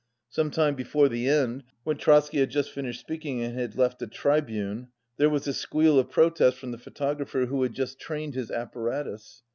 Some time be fore the end, when Trotsky had just finished speak ing and had left the tribune, there was a squeal of protest from the photographer who had just trained his apparatus.